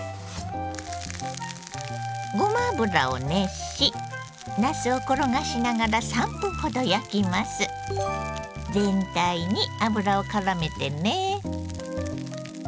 ごま油を熱しなすを転がしながら全体に油をからめてね。